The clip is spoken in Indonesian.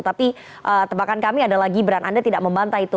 tapi tebakan kami adalah gibran anda tidak membantah itu